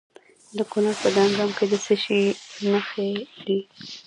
د کونړ په دانګام کې د څه شي نښې دي؟